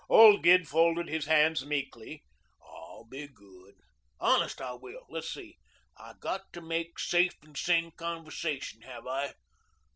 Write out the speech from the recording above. Old Gid folded his hands meekly. "I'll be good honest I will. Let's see. I got to make safe and sane conversation, have I?